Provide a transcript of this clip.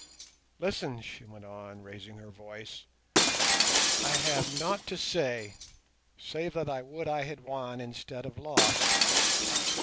"Listen," she went on, raising her voice. "I have nought to say save that I would I had won instead of lost.